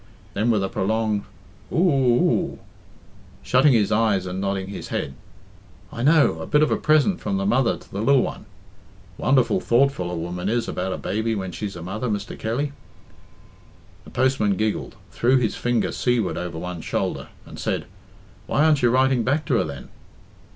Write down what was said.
Then with a prolonged "O o!" shutting his eyes and nodding his head, "I know a bit of a present from the mother to the lil one. Wonderful thoughtful a woman is about a baby when she's a mother, Mr. Kelly." The postman giggled, threw his finger seaward over one shoulder, and said, "Why aren't you writing back to her, then?"